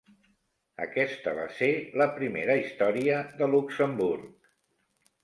Aquesta va ser la primera història de Luxemburg.